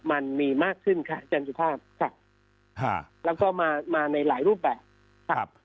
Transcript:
มันมีมากขึ้นค่ะอาจารย์สุภาพค่ะแล้วก็มามาในหลายรูปแบบครับ